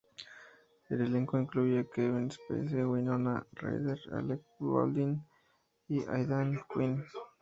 El elenco incluye a Kevin Spacey, Winona Ryder, Alec Baldwin y Aidan Quinn.